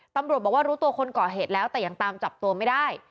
ตำรวจบอกว่ารู้ตัวคนก่อเหตุแล้วแต่ยังตามจับตัวไม่ได้